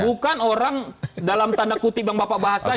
bukan orang dalam tanda kutip yang bapak bahas tadi